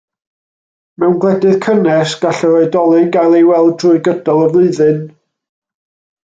Mewn gwledydd cynnes, gall yr oedolyn gael ei weld drwy gydol y flwyddyn.